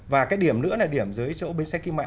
và cái điểm nữa là điểm dưới chỗ bến xe kim mã